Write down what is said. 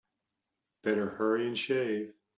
Better hurry and shave.